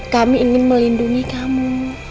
kami ingin melindungi kamu